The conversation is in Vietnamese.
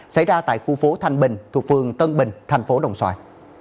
xảy ra tại khu phố thanh bình thuộc phường tân bình thành phố đồng xoài